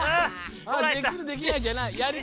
できるできないじゃないやり